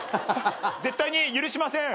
「絶対に許しません」